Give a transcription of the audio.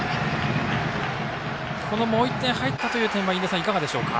もう１点入ったという点は印出さん、どうでしょうか。